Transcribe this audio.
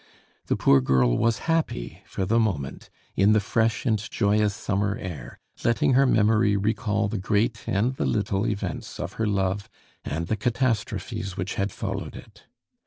The poor girl was happy, for the moment, in the fresh and joyous summer air, letting her memory recall the great and the little events of her love and the catastrophes which had followed it.